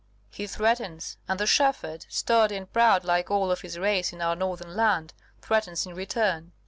He threatens; and the shepherd, sturdy and proud like all of his race in our northern land, threatens in return.